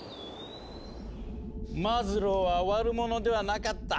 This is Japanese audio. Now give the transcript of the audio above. マズローは悪者ではなかった。